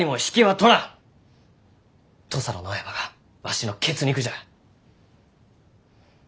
土佐の野山がわしの血肉じゃ！